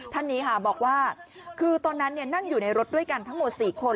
ท่านนี้ค่ะบอกว่าคือตอนนั้นนั่งอยู่ในรถด้วยกันทั้งหมด๔คน